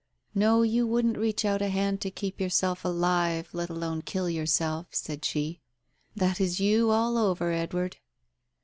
"No, you wouldn't reach out a hand to keep yourself alive, let alone kill yourself," said she. "That is you all over, Edward."